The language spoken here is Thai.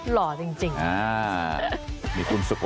หล่อจริง